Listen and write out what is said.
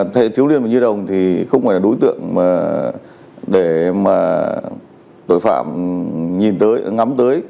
thế thiếu liên và nhi đồng thì không phải là đối tượng để mà tội phạm nhìn tới ngắm tới